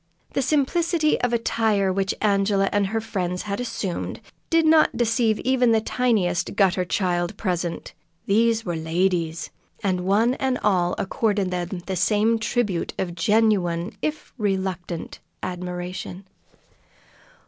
The simplicity of attire which Angela and her friends had assumed did not deceive even the tiniest gutter child present these were "ladies," and one and all accorded them the same tribute of genuine, if reluctant, admiration.